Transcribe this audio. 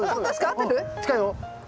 近いよ。